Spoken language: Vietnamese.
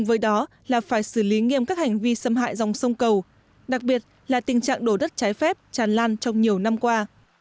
với đó là phải xử lý nghiêm các hành vi xâm hại dòng sông cầu đặc biệt là tình trạng đổ đất trái phép tràn lan trong nhiều năm qua